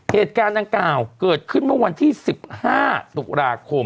เหตุการณ์ดังกล่าวเกิดขึ้นเมื่อวันที่๑๕ตุลาคม